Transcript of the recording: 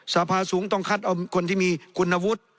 สภาสูงต้องคัดเอาคนที่มีคุณวุฒิ